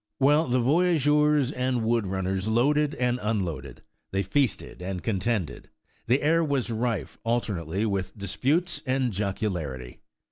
'' While the voyageurs and wood runners loaded and unloaded, they feasted and contended; the air was rife alternately with disputes and jocularity.